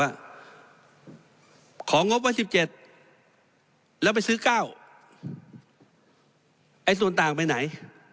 อ่ะของงบว่าสิบเจ็ดแล้วไปซื้อเก้าไอ้ส่วนต่างไปไหน